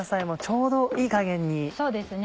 そうですね